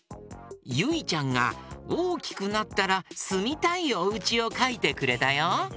ゆいちゃんがおおきくなったらすみたいおうちをかいてくれたよ。